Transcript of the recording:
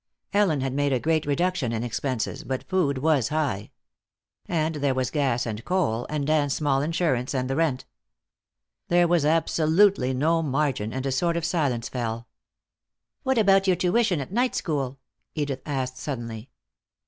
Ellen had made a great reduction in expenses, but food was high. And there was gas and coal, and Dan's small insurance, and the rent. There was absolutely no margin, and a sort of silence fell. "What about your tuition at night school?" Edith asked suddenly.